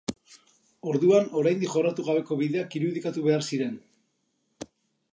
Orduan, oraindik jorratu gabeko bideak irudikatu behar ziren.